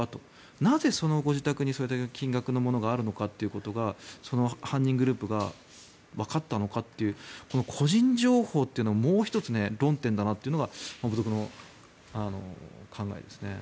なぜそのご自宅にそれだけの金額のものがあるのかというのが犯人グループがわかったのかという個人情報というのはもう１つ論点だなというのが僕の考えですね。